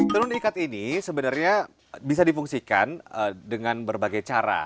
tenun ikat ini sebenarnya bisa difungsikan dengan berbagai cara